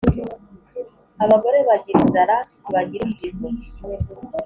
Abagore bagira inzara ntibagira inzigo.